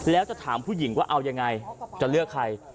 แล้วจะถามผู้หญิงว่าเอายังไงจะเลือกใคร